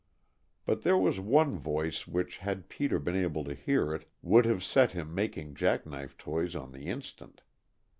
But there was one voice which, had Peter been able to hear it, would have set him making jack knife toys on the instant.